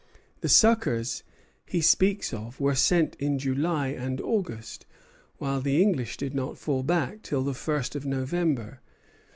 The succors he speaks of were sent in July and August, while the English did not fall back till the first of November.